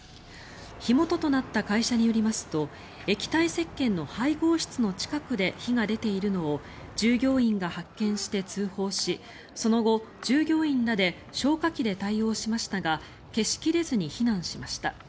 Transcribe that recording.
火元となった会社によりますと液体せっけんの配合室の近くで火が出ているのを従業員が発見して通報しその後、従業員らで消火器で対応しましたが消しきれずに避難しました。